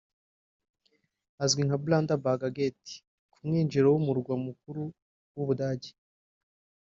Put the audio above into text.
Ahazwi nka “Brandenburg Gate” ku mwinjiro w’Umurwa mukuru w’u Budage